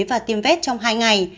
và tiêm vét trong hai ngày